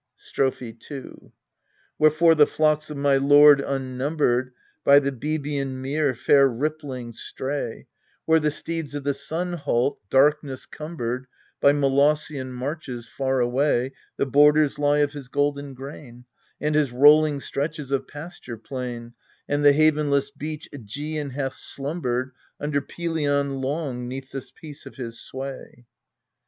Strophe 2 Wherefore the flocks of my lord unnumbered By the Boebian mere fair rippling stray : Where the steeds of the sun halt, darkness cumbered, By Molossian marches, far away The borders lie of his golden grain, And his rolling stretches of pasture plain ; And the havenless beach ^Egean hath slumbered Under Pelion long 'neath the peace of his sway.